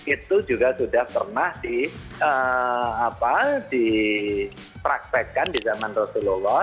itu juga sudah pernah dipraktekkan di zaman rasulullah